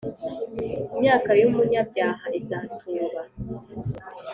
imyaka y’umunyabyaha izatuba